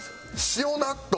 塩納豆？